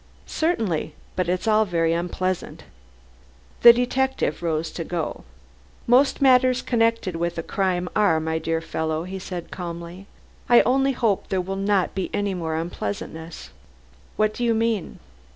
"Certainly. But it's all very unpleasant." The detective rose to go. "Most matters connected with a crime are, my dear fellow," said he calmly. "I only hope there will not be any more unpleasantness." "What do you mean?"